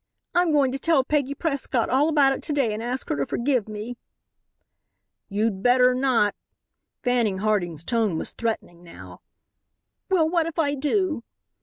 I'm going to tell Peggy Prescott all about it to day and ask her to forgive me." "You'd better not," Fanning Harding's tone was threatening now. "Well, what if I do?"